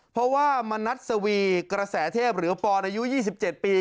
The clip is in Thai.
เพราะว่ามานัดสวีกรสาเทพเหลือปอนอายุ๒๗ปี